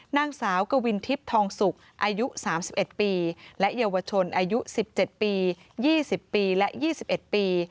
นางสาวกวินทิพย์ทองศุกร์อายุสามสิบเอ็ดปีและเยียววชนอายุสิบเจ็ดปียี่สิบปีและยี่สิบเอ็ดปี